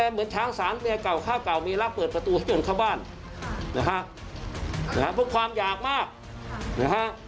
เหมือนช้างสารเมียเก่าข้าวเก่ามีแล้วเปิดประตูให้จนเข้าบ้านนะฮะเพราะความอยากมากนะฮะ